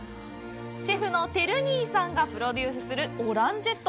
シェフのテル兄さんがプロデュースするオランジェット。